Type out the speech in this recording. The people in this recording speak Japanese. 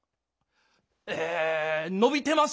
え伸びてます。